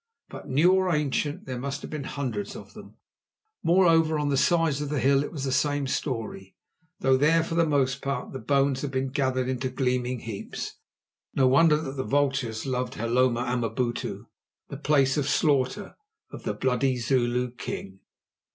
But new or ancient there must have been hundreds of them. Moreover, on the sides of the hill it was the same story, though there, for the most part, the bones had been gathered into gleaming heaps. No wonder that the vultures loved Hloma Amabutu, the Place of Slaughter of the bloody Zulu king.